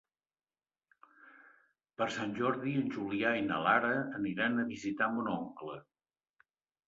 Per Sant Jordi en Julià i na Lara aniran a visitar mon oncle.